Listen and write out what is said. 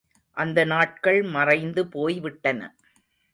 அந்த நாட்கள் மறைந்து போய் விட்டன.